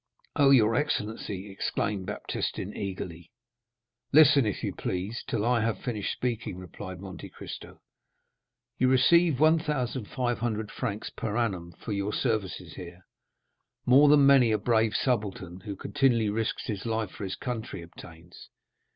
"Oh, your excellency!" exclaimed Baptistin eagerly. "Listen, if you please, till I have finished speaking," replied Monte Cristo. "You receive 1,500 francs per annum for your services here—more than many a brave subaltern, who continually risks his life for his country, obtains.